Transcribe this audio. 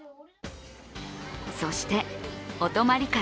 そして、お泊まり会